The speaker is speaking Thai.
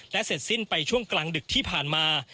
และเสร็จสิ้นไปช่วงกลางดึกที่ผ่านมา